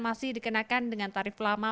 masih dikenakan dengan tarif lama